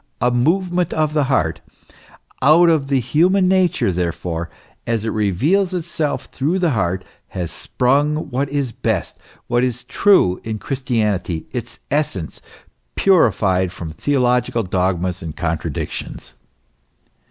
a movement of the heart, out of the human nature, therefore, as it reveals itself through the heart, has sprung what is best, what is true in Christianity its essence purified from theological dogmas and contradictions.